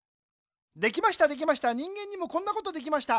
できましたできました人間にもこんなことできました。